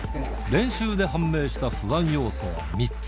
練習で判明した不安要素は３つ。